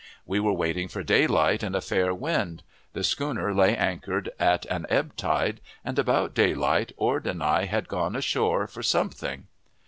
We were waiting for daylight and a fair wind; the schooner lay anchored at an ebb tide, and about daylight Ord and I had gone ashore for something.